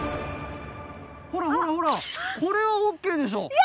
ほらほらほらこれはオッケーでしょ。